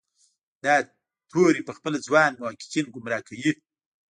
دا توری پخپله ځوان محققین ګمراه کوي.